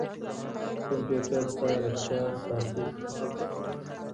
کمپيوټر تاريخچه ساتي.